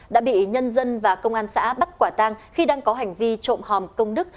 đã bị nhân dân và công an xã bắt quả tang khi đang có hành vi trộm hòm công đức